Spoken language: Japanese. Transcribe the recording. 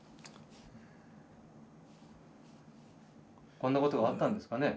こんなことがあったんですかね。